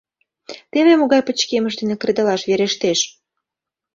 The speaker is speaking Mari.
Теве могай пычкемыш дене кредалаш верештеш.